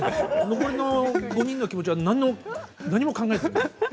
残りの５人の気持ちは何も考えていない。